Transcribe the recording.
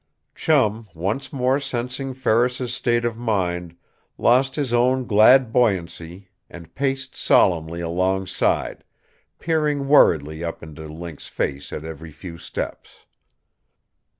Chum, once more sensing Ferris's state of mind, lost his own glad buoyancy and paced solemnly alongside, peering worriedly up into Link's face at every few steps.